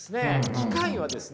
機械はですね